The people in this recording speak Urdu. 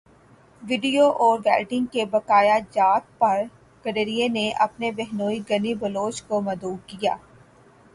ویڈیو اور ویلڈنگ کے بقایاجات پر گڈریے نے اپنے بہنوئی غنی بلوچ کو مدعو کیا